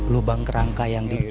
dari nasi yang kira kira asal